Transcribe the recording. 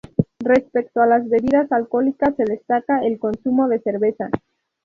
Respecto a las bebidas alcohólicas, se destaca el consumo de cerveza.